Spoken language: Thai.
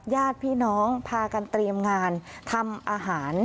ญาติพี่น้องพากันเตรียมงานทำอาหาร